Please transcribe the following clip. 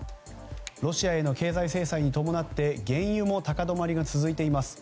ロシアへの経済制裁に伴って原油も高止まりが続いています。